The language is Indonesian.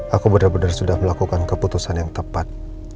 aku benar benar sudah melakukan keputusan yang tepat